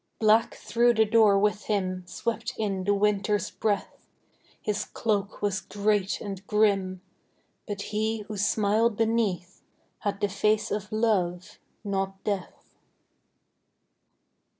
Black through the door with him Swept in the Winter's breath; His cloak was great and grim But he who smiled beneath Had the face of Love not Death.